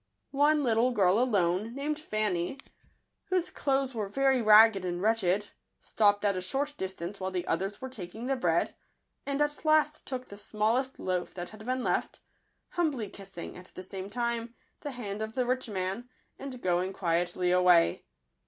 One little girl alone, named Fanny, whose clothes were Digitized by Google very ragged and wretched, stopped at a short distance while the others were taking the bread, and at last took the smallest loaf that had been left, humbly kissing, at the same time, the hand of the rich man, and going quietly away.